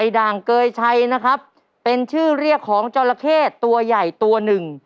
ด่างเกยชัยนะครับเป็นชื่อเรียกของจราเข้ตัวใหญ่ตัวหนึ่ง